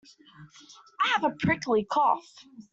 I have a prickly cough.